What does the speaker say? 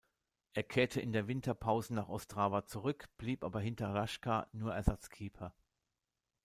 Er kehrte in der Winterpause nach Ostrava zurück, blieb aber hinter Raška nur Ersatzkeeper.